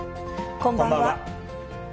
こんばんは。